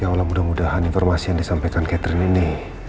insya allah mudah mudahan informasi yang disampaikan catherine ini